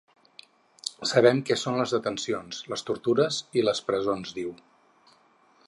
Sabem què són les detencions, les tortures i les presons, diu.